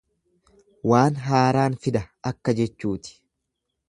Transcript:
Waan haaraan fida akka jechuuti.